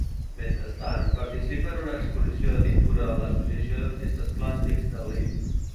Mentrestant, participa en una exposició de pintura a l'Associació d'Artistes Plàstics de Lviv.